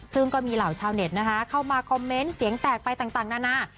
ซึ่งก็มีเหล่าชาวเน็ตนะคะเข้ามาคอมเมนต์เสียงแตกไปต่างนานา